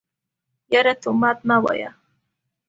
يره تومت مه وايه.